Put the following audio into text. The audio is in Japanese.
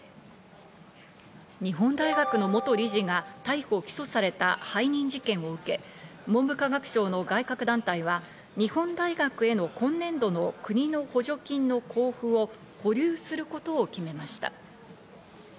日本大学の元理事が逮捕・起訴された背任事件受け、文部科学省の外郭団体は日本大学への今年度の国の補助金の交付を保留することを決めました。